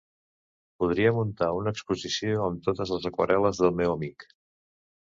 Podria muntar una exposició amb totes les aquarel·les del meu amic!